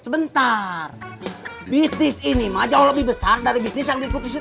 sebentar bisnis ini mah jauh lebih besar dari bisnis yang diputus